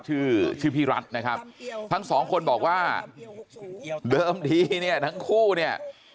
ชื่อชื่อพี่รัฐนะครับทั้งสองคนบอกว่าเดิมทีเนี่ยทั้งคู่เนี่ย